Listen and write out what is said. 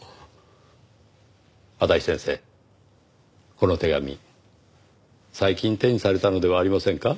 この手紙最近手にされたのではありませんか？